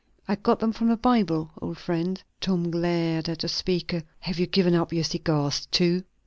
I got them from the Bible, old friend." Tom glared at the speaker. "Have you given up your cigars too?"